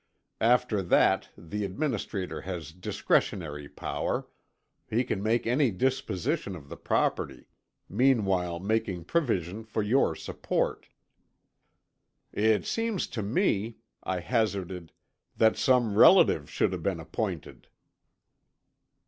After that the administrator has discretionary power; he can make any disposition of the property, meanwhile making provision for your support." "It seems to me," I hazarded, "that some relative should have been appointed."